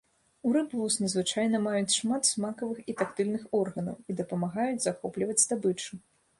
У рыб вусны звычайна маюць шмат смакавых і тактыльных органаў і дапамагаюць захопліваць здабычу.